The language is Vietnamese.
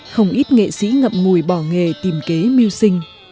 không ít nghệ sĩ ngậm ngùi bỏ nghề tìm kế mưu sinh